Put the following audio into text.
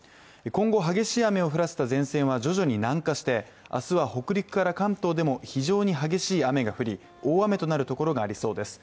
今後、激しい雨を降らせた前線は徐々に南下して明日は北陸から関東でも非常に激しい雨が降り大雨となるところがありそうです。